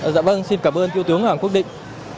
dạ vâng xin cảm ơn thiếu tướng hoàng quốc định